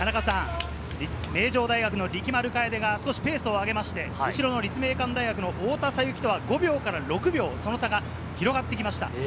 名城大学の力丸楓が少しペースを上げまして、後ろの立命館大学の太田咲雪とは５秒から６秒、その差が広がってきました。